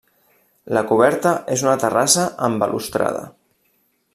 La coberta és una terrassa amb balustrada.